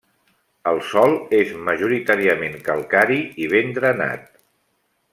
El sòl és majoritàriament calcari i ben drenat.